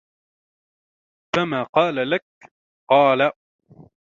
فَمَا قَالَ لَك ؟ قَالَ